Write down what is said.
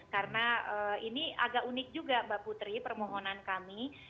karena ini agak unik juga mbak putri permohonan kami